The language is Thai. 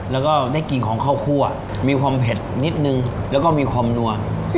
แล้วก็ได้กลิ่นของข้าวคั่วมีความเผ็ดนิดนึงแล้วก็มีความนัว